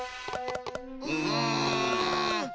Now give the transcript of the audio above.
うん！